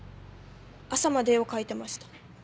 朝まで絵を描いてました。